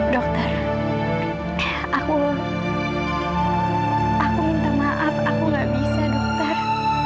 dokter aku minta maaf aku gak bisa dokter